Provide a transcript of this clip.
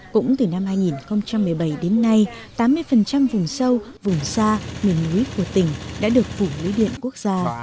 cũng từ năm hai nghìn một mươi bảy đến nay tám mươi vùng sâu vùng xa miền núi của tỉnh đã được phủ lưới điện quốc gia